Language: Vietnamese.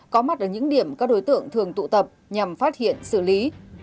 có mặt ở những điểm các đối tượng thường tụ tập nhằm phát hiện xử lý